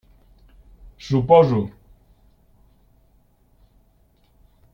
Suposo.